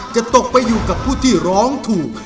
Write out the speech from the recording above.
จะตกไปอยู่กับผู้ที่ร้องถูก